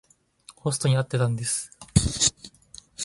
ホストに会ってたんです。